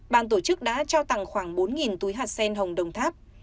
ban tổ chức đã trao tặng khoảng bốn túi hạt sen hồng đồng tháp